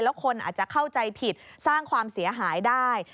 แล้วคนอาจจะเข้าใจผิดสร้างความเสียหายได้